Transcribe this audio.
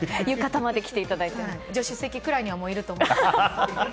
助手席ぐらいにはいると思います。